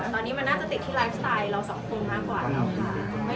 ตอนนี้มันน่าจะติดที่ไลฟ์สไตล์เราสังคมมากกว่า